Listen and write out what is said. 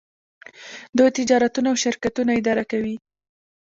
دوی تجارتونه او شرکتونه اداره کوي.